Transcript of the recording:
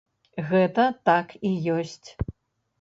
Гэта так і ёсць.